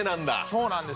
そうなんです。